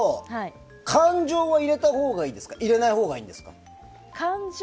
感情は入れたほうがいいですか入れないほうがいいですか？